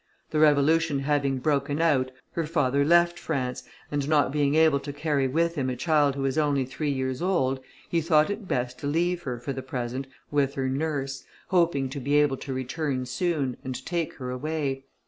The revolution having broken out, her father left France, and not being able to carry with him a child who was only three years old, he thought it best to leave her, for the present, with her nurse, hoping to be able to return soon, and take her away.